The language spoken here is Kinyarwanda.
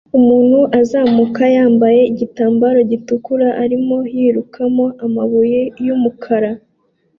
umuntu uzamuka yambaye igitambaro gitukura arimo yikuramo amabuye yumukara